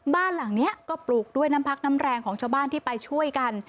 บ้านหลังนี้ก็ปลูกด้วยน้ำพักน้ำแรงของชาวบ้านที่ไปช่วยกัน